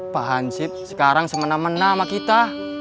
pak hansip sekarang semena mena sama kita